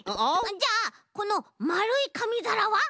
じゃあこのまるいかみざらは？